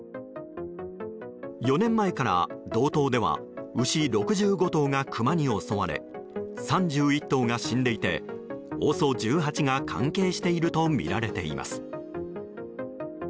４年前から道東では牛６５頭がクマに襲われ３１頭が死んでいてＯＳＯ１８が関係しているとみられています。